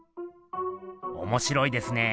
おもしろいですね。